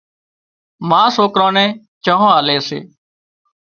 ما سوڪران نين چانه آلي سي